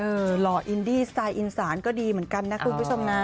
หล่ออินดี้สไตล์อินสานก็ดีเหมือนกันนะคุณผู้ชมนะ